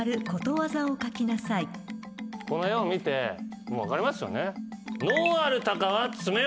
この絵を見て分かりますよね。